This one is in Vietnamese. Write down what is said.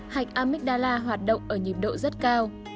hạch amygdala hoạt động ở nhiệm độ rất cao